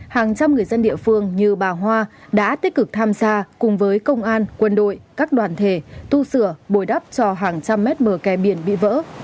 hàng trăm người dân địa phương như bà hoa đã tích cực tham gia cùng với công an quân đội các đoàn thể tu sửa bồi đắp cho hàng trăm mét bờ kè biển bị vỡ